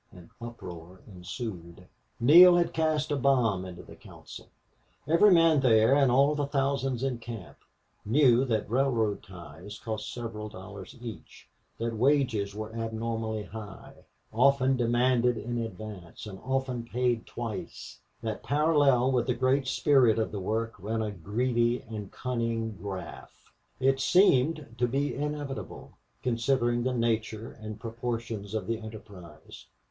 An uproar ensued. Neale had cast a bomb into the council. Every man there and all the thousands in camp knew that railroad ties cost several dollars each; that wages were abnormally high, often demanded in advance, and often paid twice; that parallel with the great spirit of the work ran a greedy and cunning graft. It seemed to be inevitable, considering the nature and proportions of the enterprise.